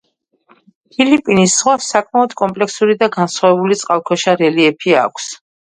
ფილიპინის ზღვას საკმაოდ კომპლექსური და განსხვავებული წყალქვეშა რელიეფი აქვს.